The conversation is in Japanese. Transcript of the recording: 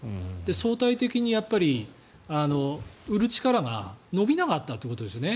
相対的にやっぱり売る力が伸びなかったということですね。